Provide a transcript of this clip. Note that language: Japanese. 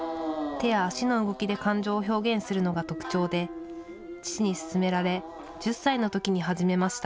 手や足の動きで感情を表現するのが特徴で、父に勧められ、１０歳のときに始めました。